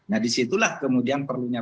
nah disitulah kemudian perlunya